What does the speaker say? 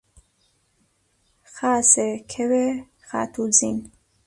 خاسێ، کەوێ، خاتووزین